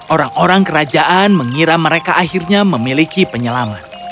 orang orang kerajaan mengira mereka akhirnya memiliki penyelamat